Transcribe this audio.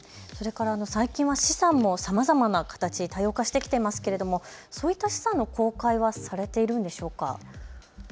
それから最近は資産もさまざまな形、多様化してきていますけれどもそういった資産の公開はされているんでしょうか。